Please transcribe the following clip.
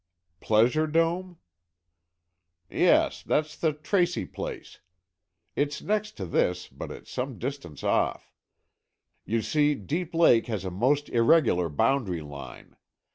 "Pleasure Dome?" "Yes, that's the Tracy place. It's next to this, but it's some distance off. You see, Deep Lake has a most irregular boundary line.